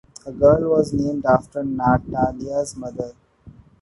A girl was named after Natalia's mother.